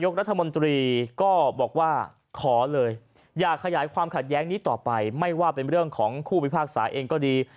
รัฐมนตรีก็บอกว่าขอเลยอย่าขยายความขัดแย้งนี้ต่อไปไม่ว่าเป็นเรื่องของคู่พิพากษาเองก็ดี